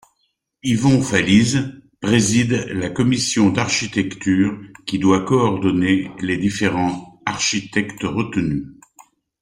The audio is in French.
Ivon Falise préside la commission d’architecture qui doit coordonner les différents architectes retenus.